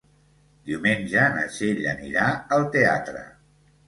Diumenge na Txell anirà al teatre.